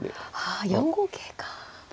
あ４五桂か。